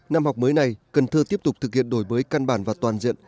năm học mới này cần thơ tiếp tục thực hiện đổi mới căn bản và toàn diện